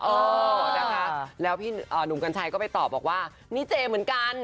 เออนะคะแล้วพี่หนุ่มกัญชัยก็ไปตอบบอกว่านี่เจเหมือนกัน